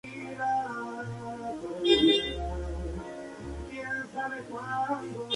Concretamente, el software se ha lanzado en Francia, Reino Unido e Italia.